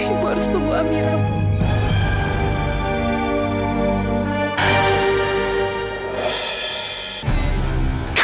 ibu harus tunggu amira bu